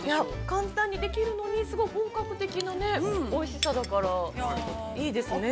◆簡単にできるのにすごい本格的なおいしさだから、いいですね。